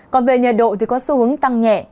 còn về nhiệt độ thì có xu hướng tăng nhẹ